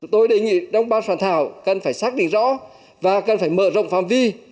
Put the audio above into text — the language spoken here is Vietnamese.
tôi đề nghị đồng bác soạn thảo cần phải xác định rõ và cần phải mở rộng phạm vi